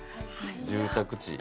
住宅地。